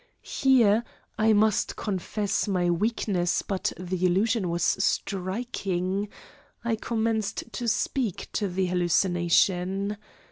Here I must confess my weakness, but the illusion was striking I commenced to speak to the hallucination.